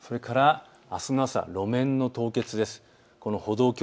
それからあすの朝、路面の凍結です。